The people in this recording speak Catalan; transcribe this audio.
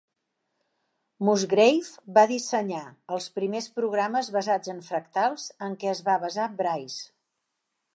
Musgrave va dissenyar els primers programes basats en fractals en què es va basar Bryce.